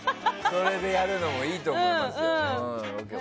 それでやるのもいいと思いますよ。